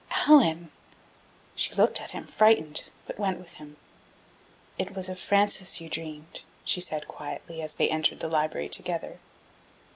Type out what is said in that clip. "Allan!" She looked at him, frightened, but went with him. "It was of Frances you dreamed," she said, quietly, as they entered the library together.